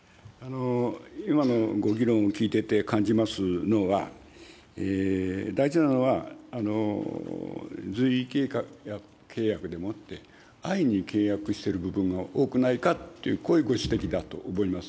今のご議論を聞いてて感じますのは、大事なのは、随意契約でもって、安易に契約している部分が多くないかという、こういうご指摘だと思います。